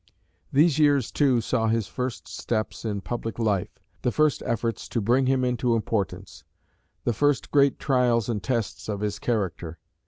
These years, too, saw his first steps in public life, the first efforts to bring him into importance, the first great trials and tests of his character.